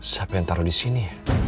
siapa yang taruh disini